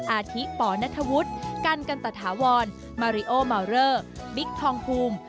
อาทิปอนัทธวุฒิกันกันตะถาวรมาริโอมาวเลอร์บิ๊กทองภูมิ